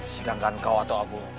sedangkan kau atau aku